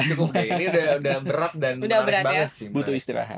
ini udah berat dan marah banget sih